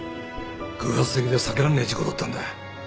偶発的で避けらんねえ事故だったんだ。